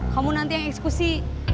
kamu nanti yang eksekusi